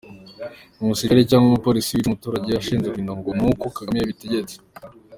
Umusirikare cyangwa umu Police wica umuturage ashinzwe kurinda ngo nuko Kagame yabitegetse,